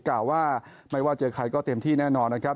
กล่าวว่าไม่ว่าเจอใครก็เต็มที่แน่นอนนะครับ